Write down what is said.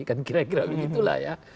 kan kira kira begitu lah ya